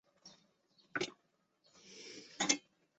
由北周拥立的傀儡政权后梁管理。